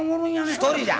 一人じゃ！